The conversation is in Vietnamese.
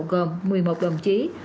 gồm một mươi một đồng chí